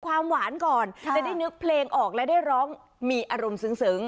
ความหวานก่อนจะได้นึกเพลงออกและได้ร้องมีอารมณ์ซึ้ง